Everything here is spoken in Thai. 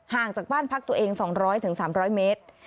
จากบ้านพักตัวเอง๒๐๐๓๐๐เมตร